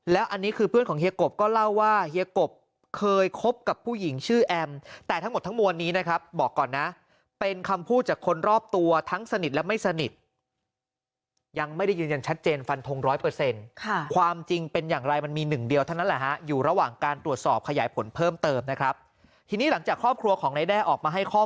แล้วอันนี้คือเพื่อนของเฮียกบก็เล่าว่าเฮียกบเคยคบกับผู้หญิงชื่อแอมแต่ทั้งหมดทั้งมวลนี้นะครับบอกก่อนนะเป็นคำพูดจากคนรอบตัวทั้งสนิทและไม่สนิทยังไม่ได้ยืนยันชัดเจนฟันทงร้อยเปอร์เซ็นต์ความจริงเป็นอย่างไรมันมีหนึ่งเดียวเท่านั้นแหละฮะอยู่ระหว่างการตรวจสอบขยายผลเพิ่มเติมนะครับทีนี้หลังจากครอบครัวของนายแด้ออกมาให้ข้อมูล